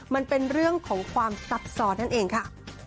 มันเป็นเรื่องของความซับซ้อนนั่นเองค่ะ